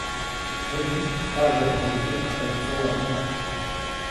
Teʼyi, kaʼyajubäde yäjtaʼy tsowamäʼa.